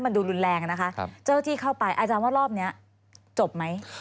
มันดูรุนแรงนะคะเจ้าที่เข้าไปอาจารย์ว่ารอบนี้จบไหม